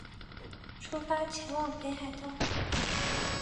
出发前往北海道